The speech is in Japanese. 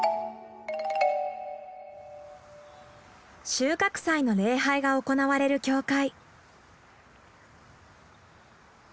収穫祭の礼拝が行われる教会。